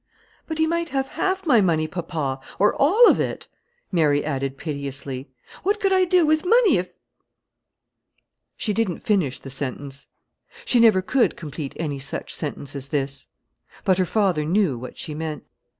"But he might have half my money, papa, or all of it," Mary added piteously. "What could I do with money, if ?" She didn't finish the sentence; she never could complete any such sentence as this; but her father knew what she meant.